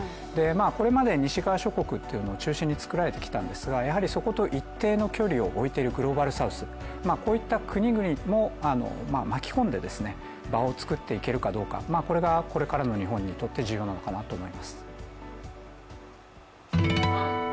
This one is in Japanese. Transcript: これまで西側諸国というのを中心につくられてきたんですがやはりそこと一定の距離を置いているグローバルサウス、こういった国々も巻き込んで場をつくっていけるかどうか、これがこれからの日本にとって重要なことかなと思います。